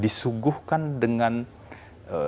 disuguhkan dengan skenario ini